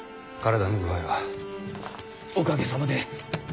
おかげさまで。